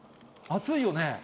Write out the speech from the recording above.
熱いよね。